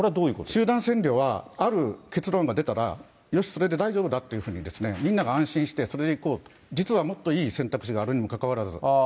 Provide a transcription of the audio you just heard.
集団浅慮は、ある結論が出たら、よし、それで大丈夫だというふうにみんなが安心して、それに、実はもっといい選択肢があるにもかかわらず。